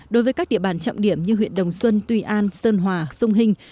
đối với các địa bàn trọng điểm như huyện đồng xuân tùy an sơn hòa sông hình